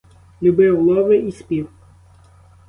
Любив лови і спів.